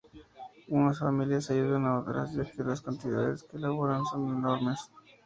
Unas familias ayudan a otras, ya que las cantidades que elaboran son enormes.